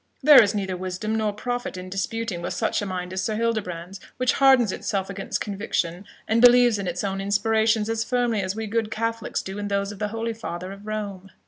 There is neither wisdom nor profit in disputing with such a mind as Sir Hildebrand's, which hardens itself against conviction, and believes in its own inspirations as firmly as we good Catholics do in those of the Holy Father of Rome."